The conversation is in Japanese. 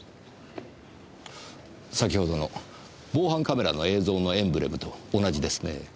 先ほどの防犯カメラの映像のエンブレムと同じですね。